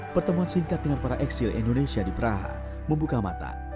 pertemuan singkat dengan para eksil indonesia di praha membuka mata